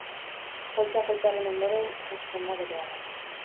Poltsa kolpearen ondoren husten da berehala.